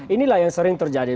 inilah yang sering terjadi